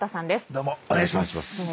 どうもお願いします。